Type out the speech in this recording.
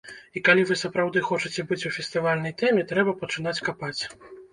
І калі вы сапраўды хочаце быць у фестывальнай тэме, трэба пачынаць капаць.